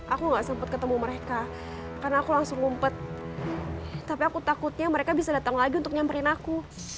aku gak sempat ketemu mereka karena aku langsung ngumpet tapi aku takutnya mereka bisa datang lagi untuk nyamperin aku